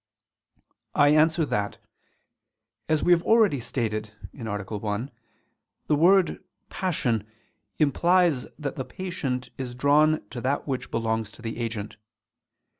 I answer that, As we have already stated (A. 1) the word "passion" implies that the patient is drawn to that which belongs to the agent.